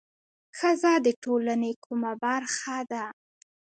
ښځه د ټولنې کومه برخه ده؟